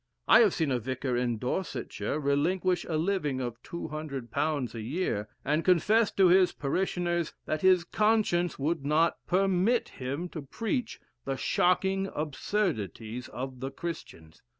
I have seen a Vicar in Dorsetshire relinquish a living of £200 a year, and confess to his parishioners that his conscience would not permit him to preach the shocking absurdities of the Christians.